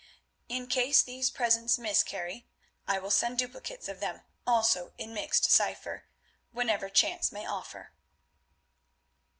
In case these presents miscarry, I will send duplicates of them, also in mixed cypher, whenever chance may offer."